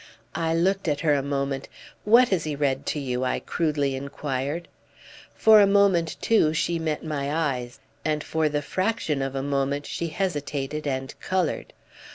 I looked at her a moment. "What has he read to you?" I crudely enquired. For a moment too she met my eyes, and for the fraction of a moment she hesitated and coloured.